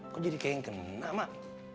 kok jadi kayak yang kena mak